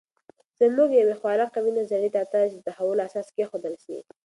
زموږ یوې خورا قوي نظریې ته اړتیا ده چې د تحول اساس کېښودل سي.